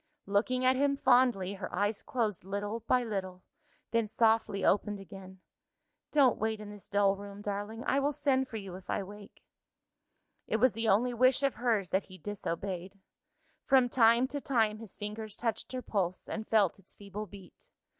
Looking at him fondly, her eyes closed little by little then softly opened again. "Don't wait in this dull room, darling; I will send for you, if I wake." It was the only wish of hers that he disobeyed. From time to time, his fingers touched her pulse, and felt its feeble beat.